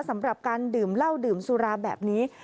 สำหรับการดื่มเหล้าดื่มสุราแบบนี้